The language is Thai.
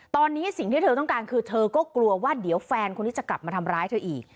ตอนนี้สิ่งที่เธอต้องการคือเธอก็กลัวว่าเดี๋ยวแฟนคนนี้จะกลับมาทำร้ายเธออีก